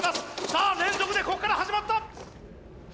さあ連続でこっから始まった！